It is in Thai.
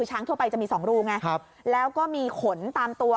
ช้างทั่วไปจะมีสองรูไงครับแล้วก็มีขนตามตัว